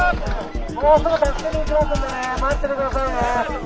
もうすぐ助けに行きますんでね待っててくださいね！